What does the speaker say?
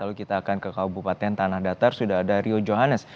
lalu kita akan ke kabupaten tanah datar sudah ada rio johannes